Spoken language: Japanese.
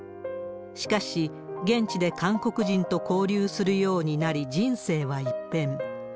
しかし、現地で韓国人と交流するようになり、人生は一転。